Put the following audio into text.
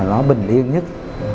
nó bình yên nhất